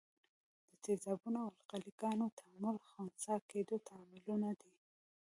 د تیزابونو او القلي ګانو تعامل خنثي کیدو تعاملونه دي.